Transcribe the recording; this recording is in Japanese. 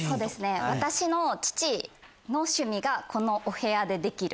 私の父の趣味がこのお部屋でできる。